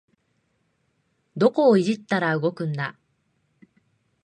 どこをいじったら動くんだ